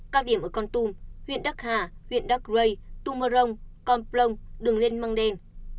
các điểm ở con tum huyện đắc hà huyện đắc rây tum mơ rông con plông đường lên măng đen